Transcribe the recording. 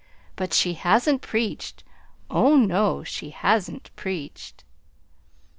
But she hasn't preached oh, no, she hasn't preached!"